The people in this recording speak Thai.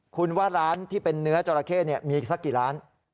คุณว่าร้านที่เป็นเนื้อจราเข้มีอีกสักกี่ร้าน